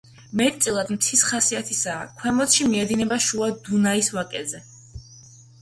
მეტწილად მთის ხასიათისაა, ქვემოთში მიედინება შუა დუნაის ვაკეზე.